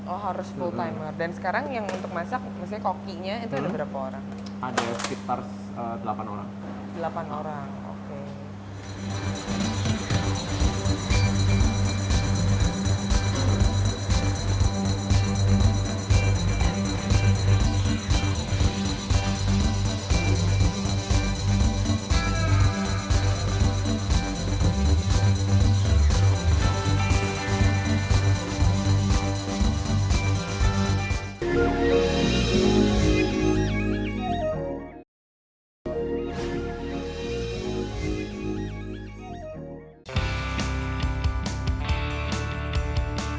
oh harus full timer dan sekarang yang untuk masak misalnya kokinya itu ada berapa orang